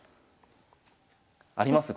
あります？